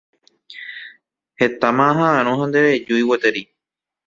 Hetáma aha'ãrõ ha nderejúi gueteri.